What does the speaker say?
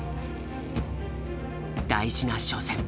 大事な初戦。